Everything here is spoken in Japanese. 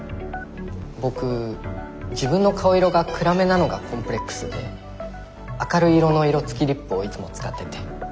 僕自分の顔色が暗めなのがコンプレックスで明るい色の色つきリップをいつも使ってて。